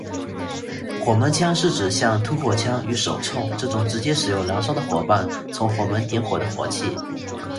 火门枪是用来指像突火枪与手铳这种直接使用燃烧的火棒从火门点火的火器。